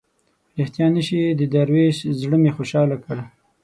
ریښتیا نه شي د دروېش زړه مې خوشاله کړ.